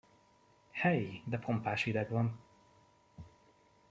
Hej, de pompás hideg van!